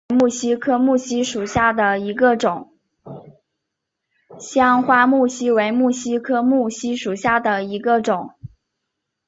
香花木犀为木犀科木犀属下的一个种。